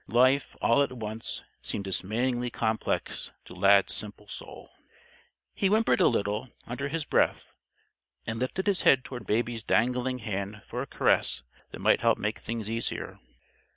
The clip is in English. Life, all at once, seemed dismayingly complex to Lad's simple soul. He whimpered a little, under his breath; and lifted his head toward Baby's dangling hand for a caress that might help make things easier.